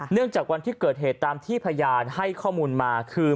จากวันที่เกิดเหตุตามที่พยานให้ข้อมูลมาคือ